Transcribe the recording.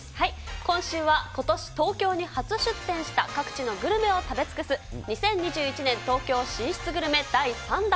今週は、ことし東京に初出店した各地のグルメを食べ尽くす、２０２１年東京進出グルメ第３弾。